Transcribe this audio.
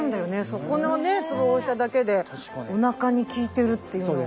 そこのねツボを押しただけでおなかに効いてるっていうのが。